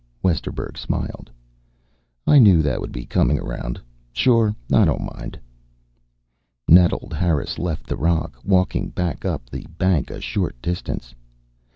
Westerburg smiled. "I knew that would be coming around. Sure, I don't mind." Nettled, Harris left the rock, walking back up the bank a short distance.